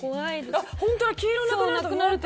あっホントだ黄色なくなると。